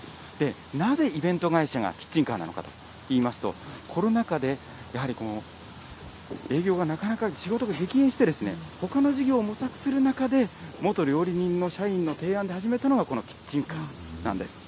なぜイベント会社がキッチンカーなのかといいますと、コロナ禍でやはり営業がなかなか仕事が激減して、ほかの事業を模索する中で、元料理人の社員の提案で始めたのが、このキッチンカーなんです。